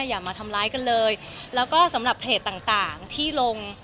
อย่ามาทำร้ายกันเลยแล้วก็สำหรับเพจต่างต่างที่ลง